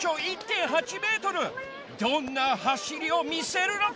どんなはしりをみせるのか！？